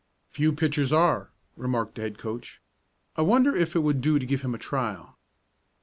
"Few pitchers are," remarked the head coach. "I wonder if it would do to give him a trial?"